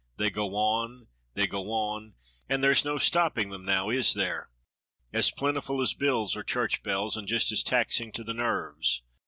They go on, they go on, and there's no stopping them, now is there .^^ As plentiful as bills are church bells and just as taxing to the nerves.